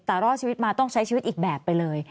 แต่รอดชีวิตมาต้องใช้ชีวิตอีกแบบไปเลย